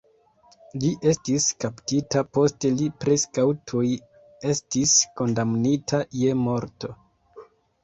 Li estis kaptita, poste li preskaŭ tuj estis kondamnita je morto.